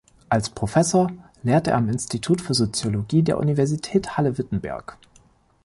Als Professor lehrt er am Institut für Soziologie der Universität Halle-Wittenberg.